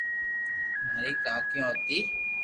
مري ڪاڪيو ھتي